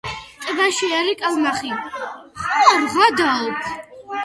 ტბაში არის კალმახი.